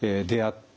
って。